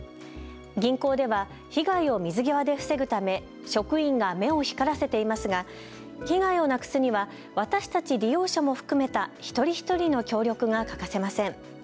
銀行では被害を水際で防ぐため職員が目を光らせていますが被害をなくすには私たち利用者も含めた一人一人の協力が欠かせません。